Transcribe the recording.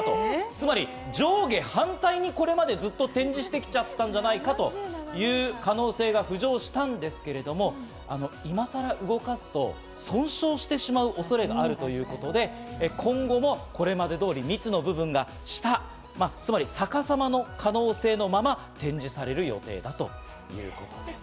つまり上下反対にこれまで展示してきたんじゃないかという可能性が浮上したんですが、今更動かすと損傷してしまう恐れがあるということで、今後もこれまで通り、密の部分が下、つまり逆さまの可能性のまま、展示される予定だということです。